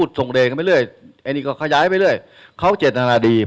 กรณีที่ยังมีความวุ่นวายในช่วงประชามาตรีเนี่ยอาจจะเสนอให้ท่านเนี่ย